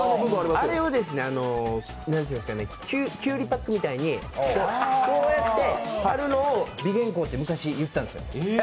あれをきゅうりパックみたいに、こうやって貼るのを美玄香って昔、言ったんですよ。